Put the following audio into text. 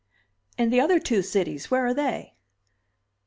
"And the other two cities where are they?"